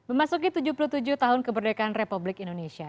memasuki tujuh puluh tujuh tahun kemerdekaan republik indonesia